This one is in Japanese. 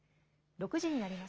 ６時になりました。